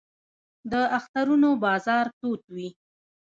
د اخترونو بازار تود وي